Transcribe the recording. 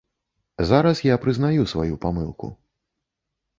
Зараз я прызнаю сваю памылку.